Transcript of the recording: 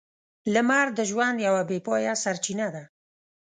لمر د ژوند یوه بې پايه سرچینه ده.